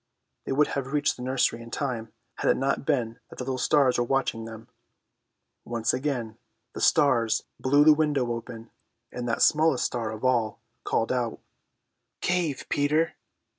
They would have reached the nursery in time had it not been that the little stars were watching them. Once again the stars blew the window open, and that smallest star of all called out: "Cave, Peter!"